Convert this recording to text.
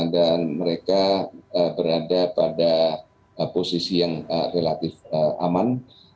dan mereka berada pada posisi yang relatif aman